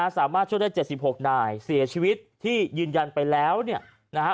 สามารถช่วยได้๗๖นายเสียชีวิตที่ยืนยันไปแล้วเนี่ยนะฮะ